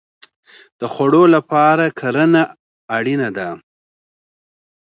د خوړو لپاره کرنه اړین ده